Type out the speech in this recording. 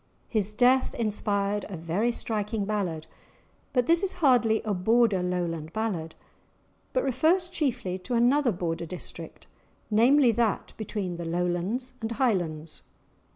His death inspired a very striking ballad, but this is hardly a Border Lowland ballad, but refers chiefly to another Border district, namely, that between the Lowlands and Highlands.